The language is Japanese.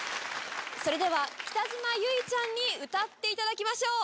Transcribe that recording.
それでは北島由唯ちゃんに歌っていただきましょう。